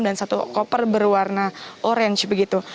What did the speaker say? dan satu koper berwarna orange